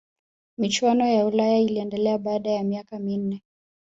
michuano ya ulaya iliendelea baada ya miaka minne